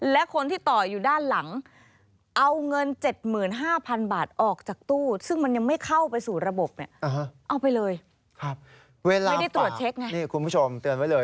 ไม่ได้ตรวจเช็กไงนี่คุณผู้ชมเตือนไว้เลย